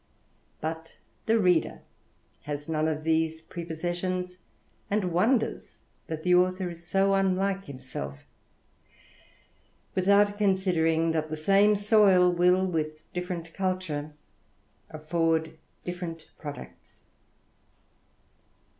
But the reader has none of these prepossessions, and wonders that the author is so unlike himself, without con sidering that the same soil will, with different culture, afford different products.